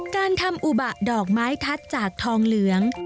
การทำอุบะดอกไม้ทัศน์จากทองเหลือง